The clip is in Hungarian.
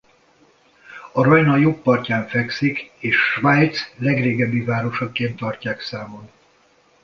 A Rajna jobb partján fekszik és Svájc legrégebbi városaként tartják számon.